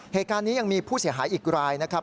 เหตุการณ์นี้ยังมีผู้เสียหายอีกรายนะครับ